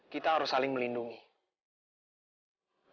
kita harus saling melindungi